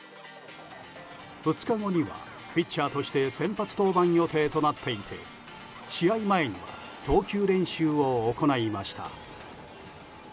２日後にはピッチャーとして先発登板予定となっていて試合前には投球練習を行いました。